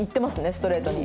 ストレートに。